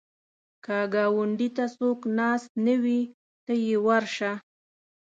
که ګاونډي ته څوک ناست نه وي، ته یې ورشه